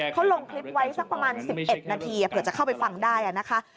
เขาลงคลิปไว้สักประมาณ๑๑นาทีเผื่อจะเข้าไปฟังได้นะคะ